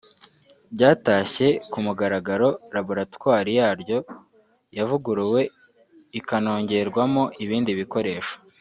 ryatashye ku mugaragaro Laboratwari yaryo yavuguruwe ikanongerwamo ibindi bikoresho